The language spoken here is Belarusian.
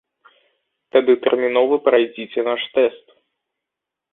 Тады тэрмінова прайдзіце наш тэст.